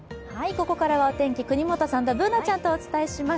ここからはお天気、國本さんとＢｏｏｎａちゃんとお伝えします。